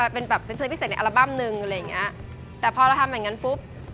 เป็นแบบเป็นเพลงพิเศษในอัลบั้มหนึ่งอะไรอย่างเงี้ยแต่พอเราทำอย่างงั้นปุ๊บ